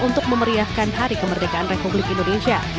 untuk memeriahkan hari kemerdekaan republik indonesia